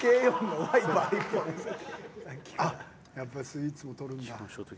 やっぱりスイーツも取るんだ。